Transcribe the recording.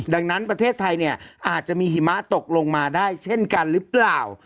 ดังนั้นประเทศไทยเนี่ยอาจจะมีหิมะตกลงมาได้เช่นกันหรือเปล่า